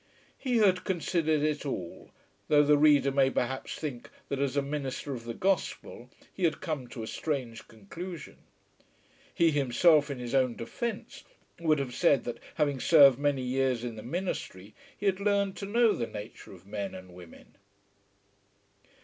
He had considered it all, though the reader may perhaps think that as a minister of the gospel he had come to a strange conclusion. He himself, in his own defence, would have said that having served many years in the ministry he had learned to know the nature of men and women.